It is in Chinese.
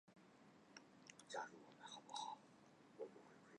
图书馆藏书十一万余册。